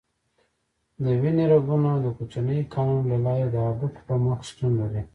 د وینې رګونه د کوچنیو کانالونو له لارې د هډوکو په مخ شتون لري.